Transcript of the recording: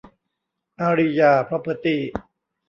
อารียา พรอพเพอร์ตี้